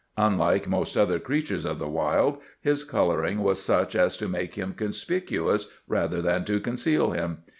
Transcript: Unlike most other creatures of the wild, his colouring was such as to make him conspicuous rather than to conceal him.